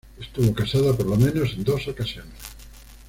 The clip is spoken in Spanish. Estuvo casada, por lo menos en dos ocasiones.